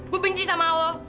gue benci sama lu